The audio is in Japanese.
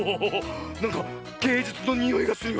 なんかげいじゅつのにおいがするよ！